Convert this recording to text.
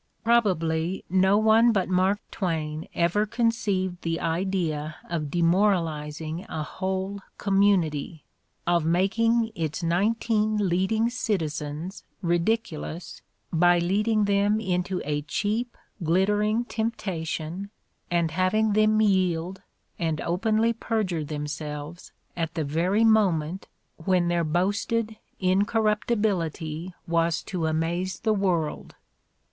Probably no one but Mark Twain ever conceived the idea of demoralizing a whole community — of making its 'nineteen leading citizens' ridiculous by leading them into a cheap, glittering temptation, and having them yield and openly perjure themselves at the very moment when their boasted incorruptibility was to amaze the world."